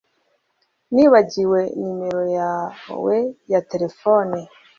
nibagiwe numero yawe ya terefone